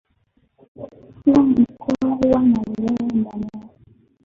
Kila mkoa huwa na wilaya ndani yake.